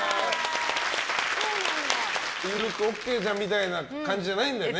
緩くＯＫじゃんみたいな感じじゃないんだね。